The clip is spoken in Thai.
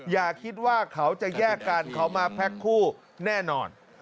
อย่าคิดว่าเขาจะแยกกันเขามาแพ็คคู่แน่นอน